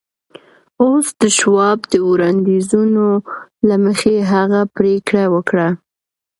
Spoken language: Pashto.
اوس د شواب د وړانديزونو له مخې هغه پرېکړه وکړه.